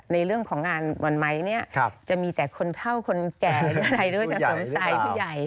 ในเรื่องของงานหม่อนไหมจะมีแต่คนเท่าคนแก่ผู้ใหญ่